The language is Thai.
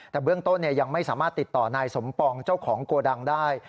แต่เบื้องต้นยังไม่สามารถติดต่อนายสมปองเจ้าของโกดังได้